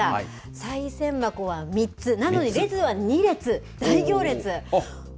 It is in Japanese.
さい銭箱は３つ、なのに列は２列、大行列。